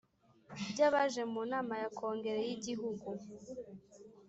By abaje mu nama ya kongere y igihugu